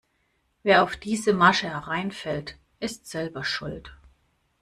Wer auf diese Masche hereinfällt, ist selber schuld.